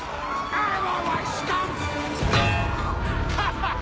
ハハハハ！